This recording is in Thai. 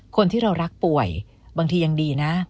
คนที่เรารักป่วยบางทียังดีนะ